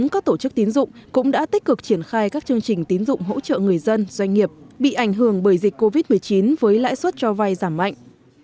các tổ chức tín dụng cũng đã tích cực triển khai các chương trình tín dụng hỗ trợ người dân doanh nghiệp bị ảnh hưởng bởi dịch covid một mươi chín với lãi suất cho vay giảm mạnh